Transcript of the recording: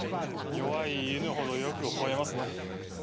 弱い犬ほどよく吠えますね。